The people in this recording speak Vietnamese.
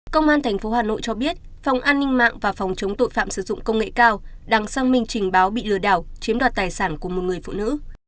công an tp hà nội cho biết phòng an ninh mạng và phòng chống tội phạm sử dụng công nghệ cao đang sang mình trình báo bị lừa đảo chiếm đoạt tài sản của một người phụ nữ